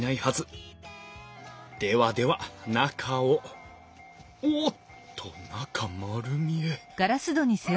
ではでは中をおっと中丸見え。